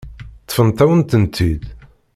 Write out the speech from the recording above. Ṭṭfent-awen-tent-id.